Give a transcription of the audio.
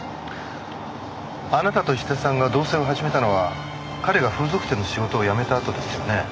あなたと石田さんが同棲を始めたのは彼が風俗店の仕事を辞めたあとですよね？